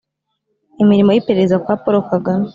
imirimo y'iperereza kwa paul kagame.